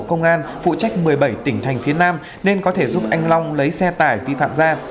công an phụ trách một mươi bảy tỉnh thành phía nam nên có thể giúp anh long lấy xe tải vi phạm ra